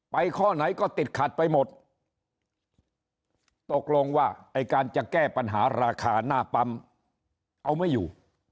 ข้อไหนก็ติดขัดไปหมดตกลงว่าไอ้การจะแก้ปัญหาราคาหน้าปั๊มเอาไม่อยู่